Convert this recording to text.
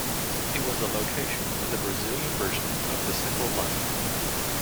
It was the location of the Brazilian version of The Simple Life.